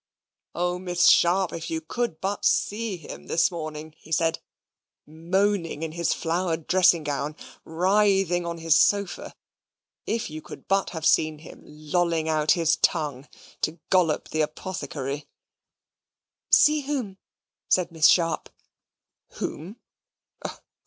"O Miss Sharp! if you could but see him this morning," he said "moaning in his flowered dressing gown writhing on his sofa; if you could but have seen him lolling out his tongue to Gollop the apothecary." "See whom?" said Miss Sharp. "Whom?